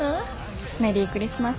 メリークリスマス。